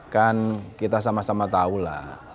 kan kita sama sama tahulah